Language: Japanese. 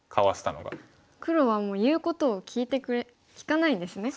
黒はもう言うことを聞かないんですね。